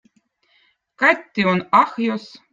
katti on ahjõz